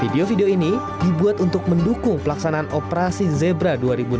video video ini dibuat untuk mendukung pelaksanaan operasi zebra dua ribu enam belas